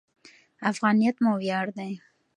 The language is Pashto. افغانیت مو ویاړ دی.